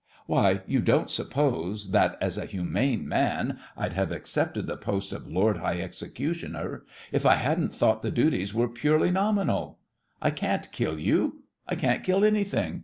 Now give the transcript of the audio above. Why, you don't suppose that, as a humane man, I'd have accepted the post of Lord High Executioner if I hadn't thought the duties were purely nominal? I can't kill you—I can't kill anything!